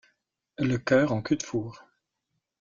Le chœur en cul-de-four.